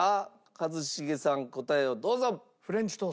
一茂さん答えをどうぞ！